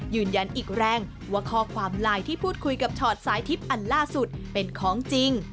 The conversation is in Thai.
ยืนยันอีกแรงว่าข้อความไลน์ที่พูดคุยกับชอตสายทิพย์อันล่าสุดเป็นของจริง